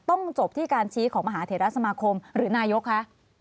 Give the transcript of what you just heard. ต้องจบที่การชี้ของมหาเทราสมาคมหรือนายกคะ